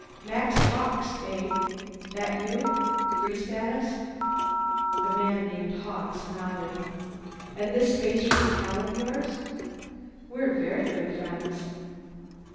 "Max Hawkes, eh? That you? Free status?" The man named Hawkes nodded. "And this Spacer's a pal of yours?" "We're very good friends."